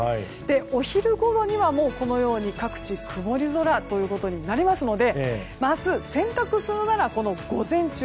お昼ごろには各地、曇り空となりますので明日、洗濯するなら午前中。